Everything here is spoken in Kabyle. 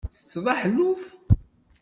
Ttetteḍ aḥelluf?